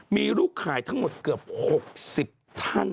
มีลูกขายทั้งหมดเกือบ๖๐ท่าน